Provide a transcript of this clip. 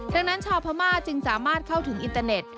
ดังนั้นชาวพม่าจึงสามารถเข้าถึงอินเตอร์เน็ต